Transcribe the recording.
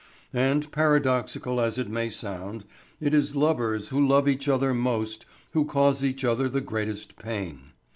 And paradoxical as it may sound, it is lovers who love each other most who cause each other the greatest pain.